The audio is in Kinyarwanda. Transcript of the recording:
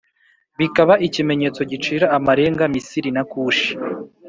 bikaba ikimenyetso gicira amarenga Misiri na Kushi.